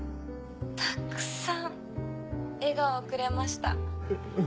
たくさん笑顔をくれました。